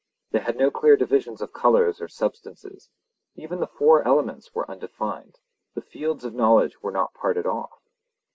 They had no clear divisions of colours or substances; even the four elements were undefined; the fields of knowledge were not parted off.